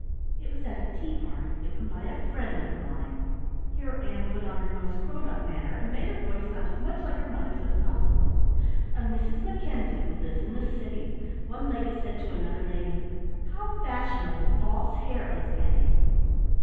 It was at a tea party given by a friend of mine," here Ann put on her most grown up manner and made her voice sound as much like her mother's as possible "a Mrs. Mackenzie who lives in the city. One lady said to another lady, 'How fashionable false hair is getting!'"